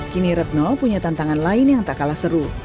kini retno punya tantangan lain yang tak kalah seru